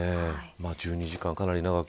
１２時間、かなり長く。